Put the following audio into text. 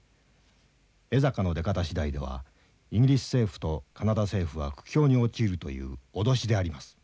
江坂の出方次第ではイギリス政府とカナダ政府は苦境に陥るという脅しであります。